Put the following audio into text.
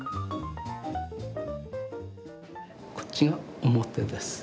こっちが表です。